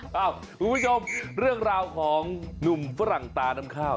คุณผู้ชมเรื่องราวของหนุ่มฝรั่งตาน้ำข้าว